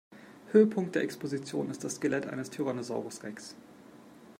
Höhepunkt der Exposition ist das Skelett eines Tyrannosaurus Rex.